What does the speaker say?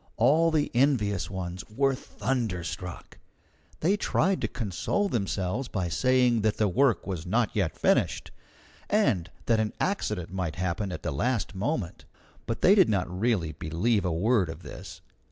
All the envious ones were thunderstruck. They tried to console themselves by saying that the work was not yet finished, and that an accident might happen at the last moment. But they did not really believe a word of this.